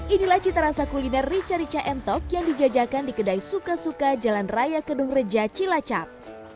inilah cita rasa kuliner rica rica entok yang dijajakan di kedai suka suka jalan raya kedung reja cilacap